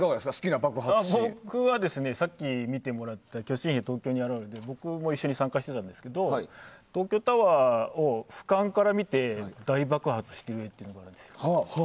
さっき見ていただいた「巨神兵東京に現わる」で僕も一緒に参加してたんですけど東京タワーを俯瞰から見て大爆発している画というのがあるんですけど。